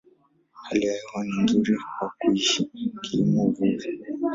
Hali ya hewa ni nzuri kwa kuishi, kilimo, uvuvi.